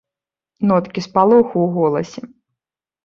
Ноткі спалоху ў голасе.